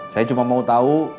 saya cuma mau tau